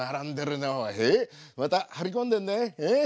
また張り込んでんねええ？